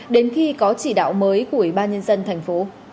đến khi có chỉ đạo mới của ubnd tp